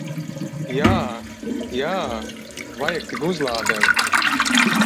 Jā. Jā. Vajag tik uzlādēt.